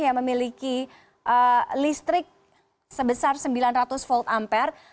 yang memiliki listrik sebesar sembilan ratus volt ampere